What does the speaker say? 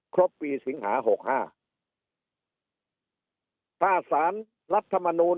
ครบปีศิงหา๖๕ถ้าสารรัฐมนูล